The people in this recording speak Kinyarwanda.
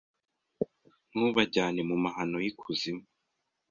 Ntubajyane mu mahano y'ikuzimu